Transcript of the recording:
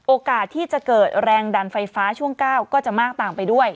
โอกาสที่จะเกิดแรงดันไฟฟ้าช่วง๙ก็จะมากตามไปด้วย